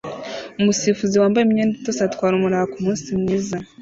Umusifuzi wambaye imyenda itose atwara umuraba kumunsi mwiza